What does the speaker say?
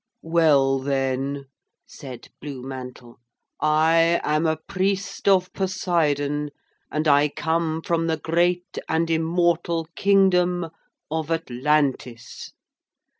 'Well then,' said Blue Mantle, 'I am a Priest of Poseidon, and I come from the great and immortal kingdom of Atlantis.'